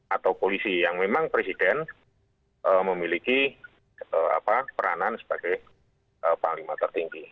atau polisi yang memang presiden memiliki peranan sebagai panglima tertinggi